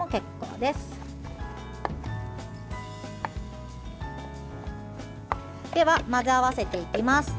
では、混ぜ合わせていきます。